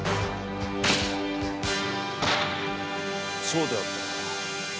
そうであったか